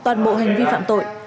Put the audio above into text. toàn bộ hành vi phạm tội